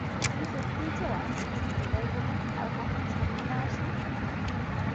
তুমি সত্যিই চাও আমি তোমাকে বিদায় বলি, আর কখনো সামনে না আসি?